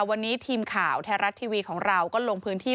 วันนี้ทีมข่าวไทยรัฐทีวีของเราก็ลงพื้นที่